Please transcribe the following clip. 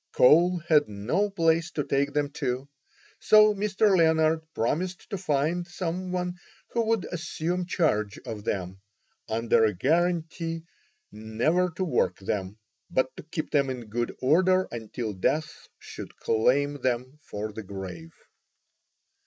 Cole had no place to take them to, so Mr. Leonard promised to find some one who would assume charge of them, under a guarantee never to work them, but to keep them in good order until death should claim them for the grave.